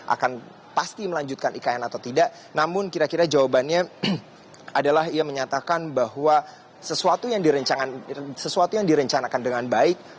akan pasti melanjutkan ikn atau tidak namun kira kira jawabannya adalah ia menyatakan bahwa sesuatu yang direncanakan dengan baik